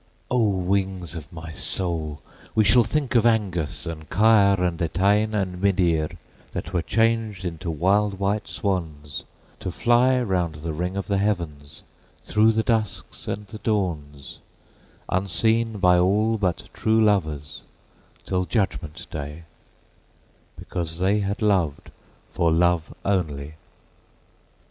O wings of my soul! we shall think of Angus and Caer, And Etain and Midir, that were changed into wild white swansTo fly round the ring of the heavens, through the dusks and the dawns, Unseen by all but true lovers, till judgment day, Because they had loved for love only.